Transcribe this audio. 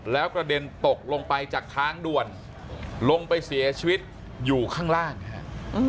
แล้วกระเด็นตกลงไปจากทางด่วนลงไปเสียชีวิตอยู่ข้างล่างนะครับ